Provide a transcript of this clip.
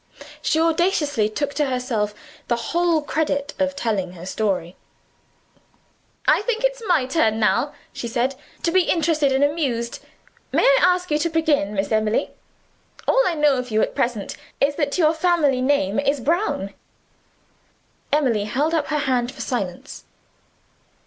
She audaciously took to herself the whole credit of telling her story: "I think it's my turn now," she said, "to be interested and amused. May I ask you to begin, Miss Emily? All I know of you at present is, that your family name is Brown." Emily held up her hand for silence.